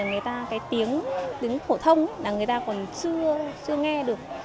người ta tiếng hổ thông còn chưa nghe được